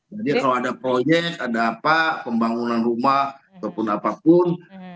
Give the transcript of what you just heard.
jadi kalau ada proyek ada apa pembangunan rumah ataupun apapun